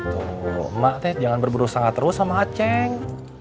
tuh emak teh jangan berberusaha terus sama atsheng